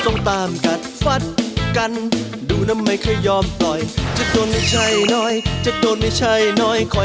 ที่ว่าไม่ชอบมองที่ว่าไม่ชอบเห็นมันไม่จริงใช่มั้ย